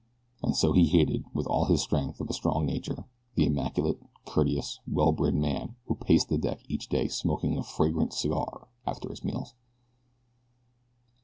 And so he hated, with all the strength of a strong nature, the immaculate, courteous, well bred man who paced the deck each day smoking a fragrant cigar after his meals.